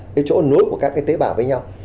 cái chỗ nối của các cái tế bào với nhau